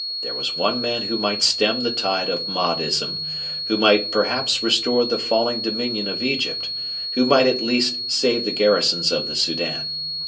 There was one man who might stem the tide of Mahdism, who might perhaps restore the falling dominion of Egypt, who might at least save the garrisons of the Soudan.